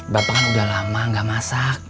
bapak kan udah lama gak masak